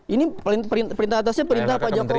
ini perintah atasnya perintah pak jokowi